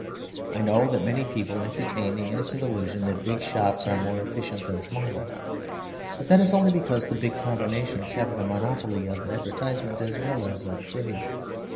I know that many people entertain the innocent illusion that big shops are more efficient than small ones; but that is only because the big combinations have the monopoly of advertisement as well as trade.